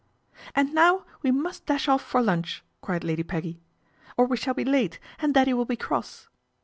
" And now we must dash off for lunch," cried ^ady Peggy, " or we shall be late and Daddy will >e cross."